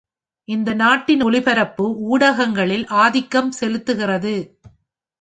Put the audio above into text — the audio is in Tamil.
இது நாட்டின் ஒளிபரப்பு ஊடகங்களில் ஆதிக்கம் செலுத்துகிறது.